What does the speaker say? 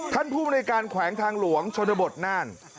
ท่านผู้บริการแขวงทางหลวงชนบทน่าน